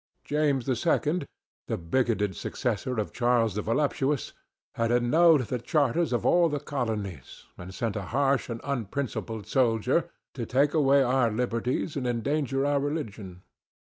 James II., the bigoted successor of Charles the Voluptuous, had annulled the charters of all the colonies and sent a harsh and unprincipled soldier to take away our liberties and endanger our religion.